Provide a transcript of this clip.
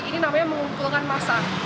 ini namanya mengumpulkan masa